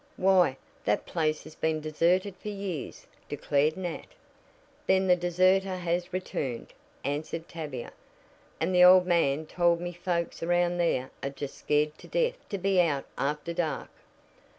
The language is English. "Why, that place has been deserted for years," declared Nat. "Then the deserter has returned," answered Tavia, "and the old man told me folks around there are just scared to death to be out after dark."